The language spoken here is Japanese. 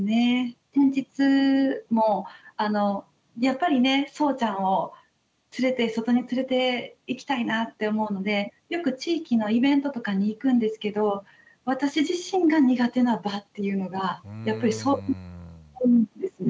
先日もやっぱりねそうちゃんを連れて外に連れていきたいなぁって思うのでよく地域のイベントとかに行くんですけど私自身が苦手な場っていうのがやっぱりそうあるんですね。